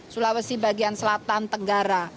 sulawesi bagian selatan tenggara